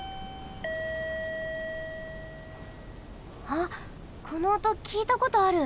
あっこのおときいたことある。